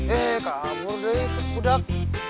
eh kabur deh budak